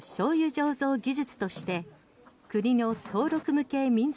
醸造技術として国の登録無形民俗